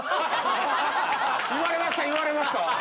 言われました言われました！